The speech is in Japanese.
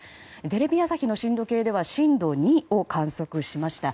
テレビ朝日の震度計では震度２を観測しました。